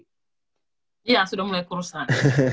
iya sudah mulai kurusan